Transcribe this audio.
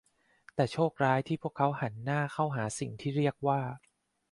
แต่โชคร้ายที่พวกเขาหันหน้าเขาหาสิ่งที่เรียกว่า